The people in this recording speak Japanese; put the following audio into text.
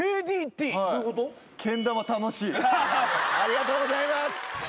ありがとうございます。